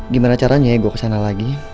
gimana caranya ya gue kesana lagi